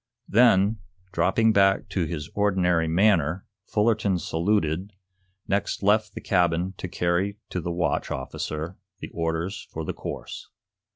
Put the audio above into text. Then, dropping back to his ordinary manner, Fullerton saluted, next left the cabin to carry to the watch officer the orders for the course.